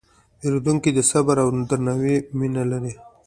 پیرودونکی د صبر او درناوي مینه لري.